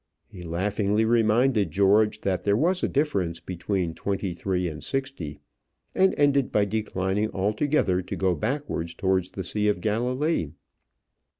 He laughingly reminded George that there was a difference between twenty three and sixty; and ended by declining altogether to go backwards towards the Sea of Galilee.